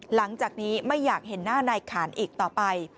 หลังจากนี้ไม่อยากเห็นหน้านายขานอีกต่อไป